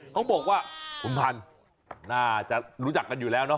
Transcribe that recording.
เขาบอกว่าขุนพันธุ์น่าจะรู้จักกันอยู่แล้วเนอ